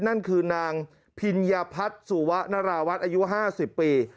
นั่นคือนางพิญญาพัฒน์สุวะนราวัฒน์อายุ๕๐ปี